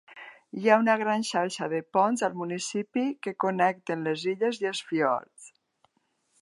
Hi ha una gran xarxa de ponts al municipi que connecten les illes i fiords.